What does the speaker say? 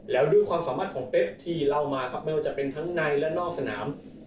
แล้วด้วยความสามารถของเป๊กที่เล่ามาครับไม่ว่าจะเป็นทั้งในและนอกสนาม